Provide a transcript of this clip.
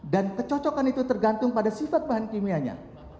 dan kecocokan itu tergantung pada sifat bahan kimianya